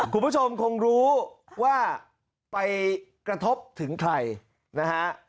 คุณผู้ชมคงรู้ว่าไปกระทบถึงใครนะฮะ